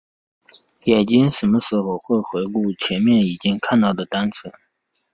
眼睛什么时候会回顾前面已经看到过的单词？